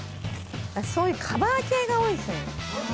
そういうカバー系が多いですね。